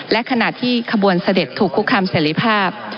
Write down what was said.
และขณะที่ขบวนเสด็จถูกคุกคำเสรีภาพ